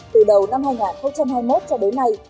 từ đầu năm hai nghìn hai mươi một cho đến nay